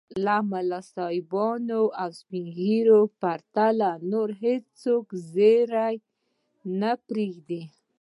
له ملا صاحبانو او سپين ږيرو پرته نور څوک ږيره نه پرېږدي.